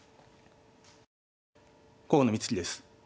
河野光樹です。